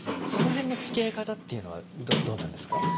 その辺のつきあい方っていうのはどうなんですか？